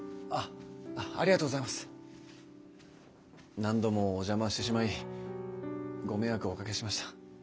何度もお邪魔してしまいご迷惑をおかけしました。